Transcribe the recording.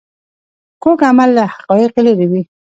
کوږ عمل له حقایقو لیرې وي